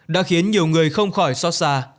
đã khiến nhiều người không khỏi xót xa